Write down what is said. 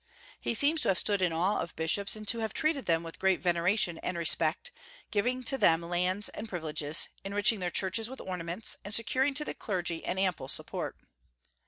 He seems to have stood in awe of bishops, and to have treated them with great veneration and respect, giving to them lands and privileges, enriching their churches with ornaments, and securing to the clergy an ample support.